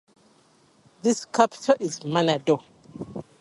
The capital is Manadhoo.